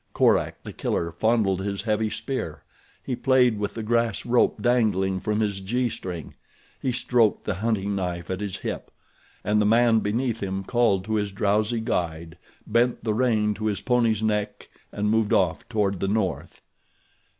Korak, The Killer, fondled his heavy spear. He played with the grass rope dangling from his gee string. He stroked the hunting knife at his hip. And the man beneath him called to his drowsy guide, bent the rein to his pony's neck and moved off toward the north.